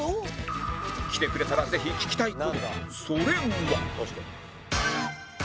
来てくれたらぜひ聞きたい事それは